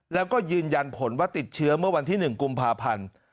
แล้วก็ยืนยันผลว่าติดเชื้อเมื่อวันที่๑กุมภาพันธ์